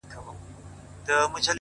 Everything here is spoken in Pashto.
هره شېبه ـ